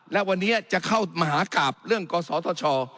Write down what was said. และวันนี้จะเข้ามหากราบเรื่องกศธช